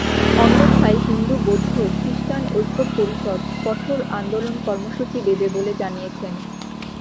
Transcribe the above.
অন্যথায় হিন্দু বৌদ্ধ খ্রিষ্টান ঐক্য পরিষদ কঠোর আন্দোলন কর্মসূচি দেবে বলে জানিয়েছেন।